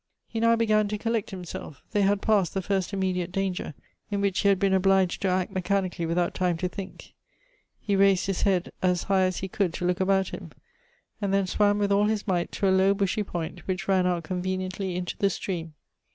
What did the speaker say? He now began to collect himself; they had past the first immediate danger, in which he had been obliged to act mechanically without time to think; he raised his head as high as he could to look about him ; and then swam with all his might to a low bushy point, which ran out conveniently into the stream.